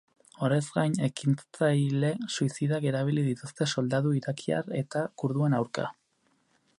Horrez gain, ekintzaile suizidak erabili dituzte soldadu irakiar eta kurduen aurka.